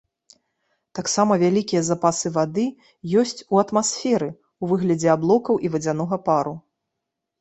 Таксама вялікія запасы вады ёсць у атмасферы, у выглядзе аблокаў і вадзянога пару.